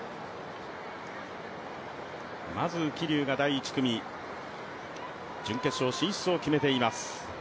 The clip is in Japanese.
まず桐生が第１組、準決勝進出を決めています。